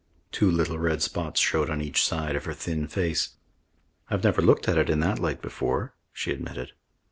Two little red spots showed on each side of her thin face. "I've never looked at it in that light before," she admitted.